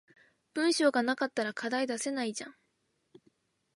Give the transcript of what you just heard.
文章が無かったら課題出せないじゃん